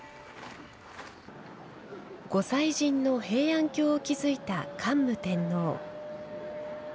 御祭神の平安京を築いた桓武天皇。